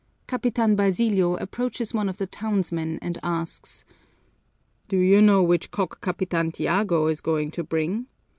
Capitan Basilio approaches one of the townsmen and asks, "Do you know which cock Capitan Tiago is going to bring?"